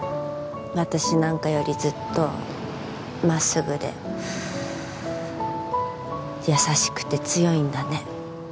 私なんかよりずっと真っすぐで優しくて強いんだね。